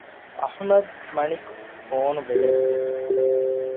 އަޙްމަދު މަނިކު ފޯނު ބޭއްވި